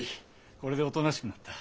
これでおとなしくなった。